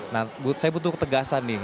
nah saya butuh ketegasan nih